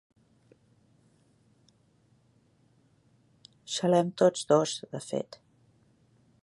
Xalem tots dos, de fet.